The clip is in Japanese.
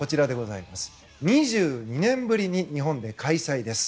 ２２年ぶりに日本で開催です。